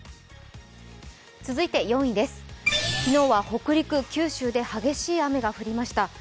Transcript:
続いて４位です、昨日は北陸、九州で激しい雨が降りました。